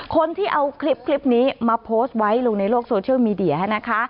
คนที่เอาคลิปนี้มาโพสต์ไว้ลงในโลกโซเชียลมีเดียนะคะ